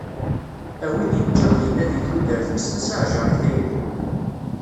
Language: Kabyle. A wid i n-ǧǧiɣ dinna di tudert kkset-as aɛjar i tayri.